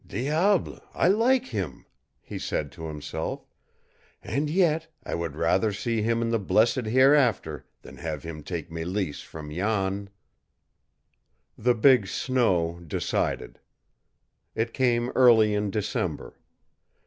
"Diable, I like him," he said to himself; "and yet I would rather see him in the blessed hereafter than have him take Mélisse from Jan!" The big snow decided. It came early in December.